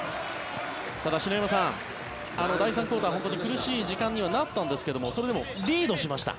ただ、篠山さん第３クオーター、本当に苦しい時間にはなったんですがそれでもリードしました。